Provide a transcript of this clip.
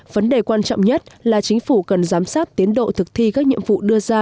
vấn đề quan trọng nhất là chính phủ cần giám sát tiến độ thực thi các nhiệm vụ đưa ra